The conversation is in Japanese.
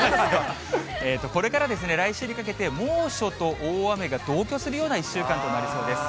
これから来週にかけて、猛暑と大雨が同居するような１週間となりそうです。